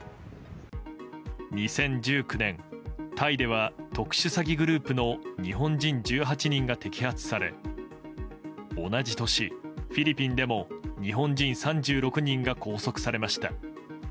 ２０１９年、タイでは特殊詐欺グループの日本人１８人が摘発され同じ年、フィリピンでも日本人３６人が拘束されました。